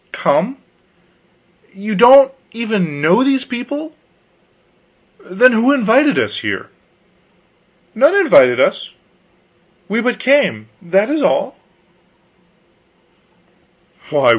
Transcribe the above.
"Come you don't even know these people? Then who invited us here?" "None invited us. We but came; that is all."